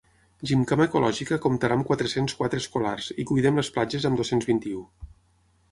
“Gimcana Ecològica” comptarà amb quatre-cents quatre escolars i “Cuidem les Platges”, amb dos-cents vint-i-u.